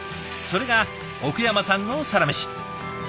それが奥山さんのサラメシ。